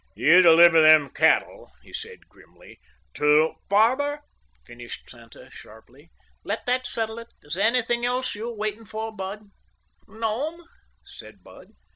"You deliver them cattle," he said grimly, "to—" "Barber," finished Santa sharply. "Let that settle it. Is there anything else you are waiting for, Bud?" "No, m'm," said Bud.